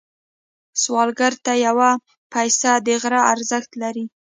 سوالګر ته یو پيسه د غره ارزښت لري